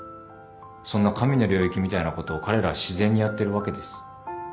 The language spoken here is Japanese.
そんな神の領域みたいなことを彼らは自然にやってるわけです。